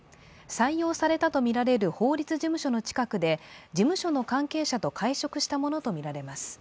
採用されたとみられる法律事務所の近くで、事務所の関係者と会食したものとみられます。